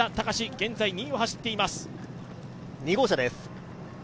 現在２位を走っています。